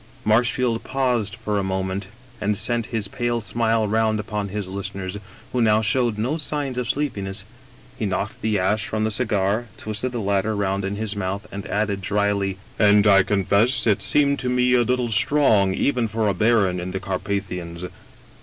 Marshfield paused for a moment and sent his pale smile round upon his listeners, who now showed no signs of sleepiness; he knocked the ash from his cigar, twisted the latter round in his mouth, and added dryly: " And I confess it seemed to me a little strong even for a baron in the Carpathians.